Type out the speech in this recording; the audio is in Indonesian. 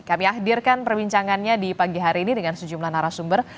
kami hadirkan perbincangannya di pagi hari ini dengan sejumlah narasumber